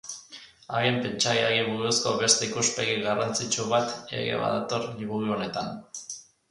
Haren pentsaerari buruzko beste ikuspegi garrantzitsu bat ere badator liburu honetan.